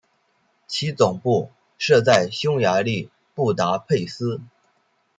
其总部设在匈牙利布达佩斯。